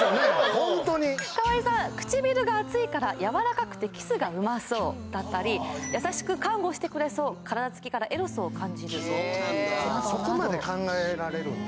ホントに河井さん唇が厚いからやわらかくてキスがうまそうだったり優しく看護してくれそう体つきからエロスを感じるそうなんだ